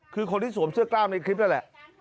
คือคนที่สวมเสื้อกล้ามในคลิปนั่นแหละ